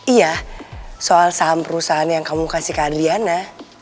iya soal saham perusahaan yang kamu kasih ke adriana